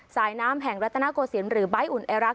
สายน้ำแห่งรัฐนาโกศิลป์หรือใบ้อุ่นไอรัก